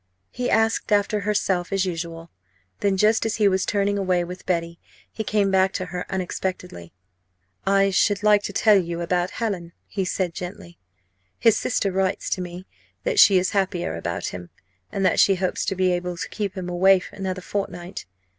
He asked after herself as usual. Then, just as he was turning away with Betty, he came back to her, unexpectedly. "I should like to tell you about Hallin," he said gently. "His sister writes to me that she is happier about him, and that she hopes to be able to keep him away another fortnight.